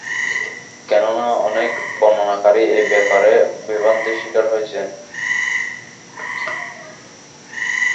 কেননা, অনেক বর্ণনাকারীই এ ব্যাপারে বিভ্রান্তির শিকার হয়েছেন।